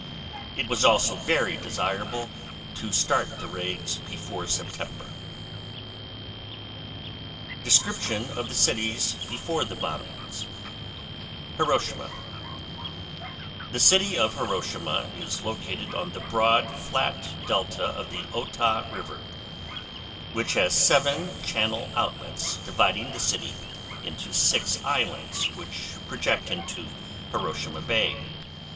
It was also very desirable to start the raids before September. DESCRIPTION OF THE CITIES BEFORE THE BOMBINGS Hiroshima The city of Hiroshima is located on the broad, flat delta of the Ota River, which has 7 channel outlets dividing the city into six islands which project into Hiroshima Bay.